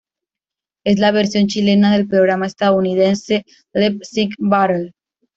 Es la versión chilena del programa estadounidense "Lip Sync Battle".